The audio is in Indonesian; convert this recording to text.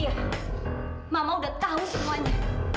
iya mama udah tahu semuanya